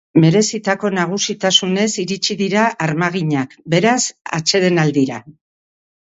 Merezitako nagusitasunez iritsi dira armaginak, beraz, atsedenaldira.